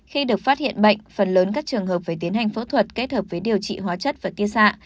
khi được phát hiện bệnh phần lớn các trường hợp phải tiến hành phẫu thuật kết hợp với điều trị hóa chất và ký xạ